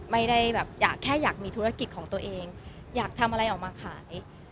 ไม่ได้แบบอยากแค่อยากมีธุรกิจของตัวเองอยากทำอะไรออกมาขาย